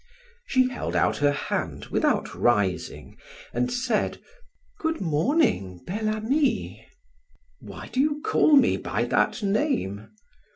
She held out her hand without rising and said: "Good morning, Bel Ami!" "Why do you call me by that name?"